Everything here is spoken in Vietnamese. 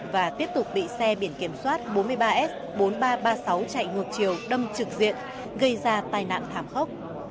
và tiếp tục bị xe biển kiểm soát bốn mươi ba s bốn nghìn ba trăm ba mươi sáu chạy ngược chiều đâm trực diện gây ra tai nạn thảm khốc